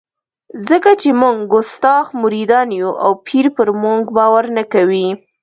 ځکه چې موږ کستاخ مریدان یو او پیر پر موږ باور نه کوي.